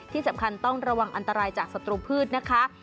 ที่สำคัญต้องระวังอันตรายจากศัตรูพืชนะคะ